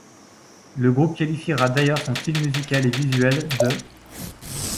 Le groupe qualifiera d’ailleurs son style musical et visuel d’.